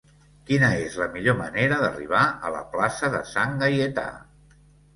Quina és la millor manera d'arribar a la plaça de Sant Gaietà?